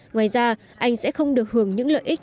ngoài ra anh sẽ không được hưởng những lợi ích